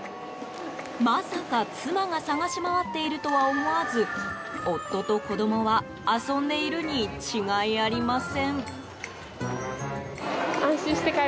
まさか妻が捜し回っているとは思わず夫と子供は遊んでいるに違いありません。